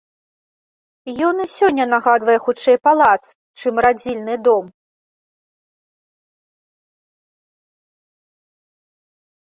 Ён і сёння нагадвае хутчэй палац, чым радзільны дом.